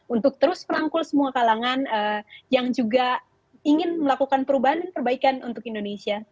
untuk terus merangkul semua kalangan yang juga ingin melakukan perubahan dan perbaikan untuk indonesia